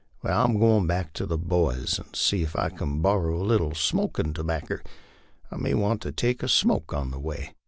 Wai, I'm goin' back to the boys to see if I can borrer a little smokin' tobacker. I may want to take a smoke on the way.